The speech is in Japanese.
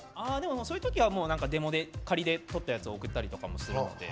そういうときはデモで仮でとったやつを送ったりとかもするので。